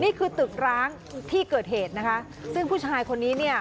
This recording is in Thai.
นี่คือตึกร้างที่เกิดเหตุนะคะซึ่งผู้ชายคนนี้เนี่ย